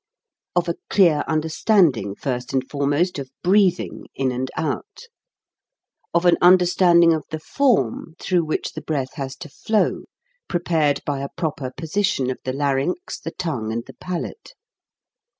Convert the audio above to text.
Of a clear understanding, first and fore most, of breathing, in and out; of an un derstanding of the form through which the breath has to flow, prepared by a proper position of the larynx, the tongue, and the palate.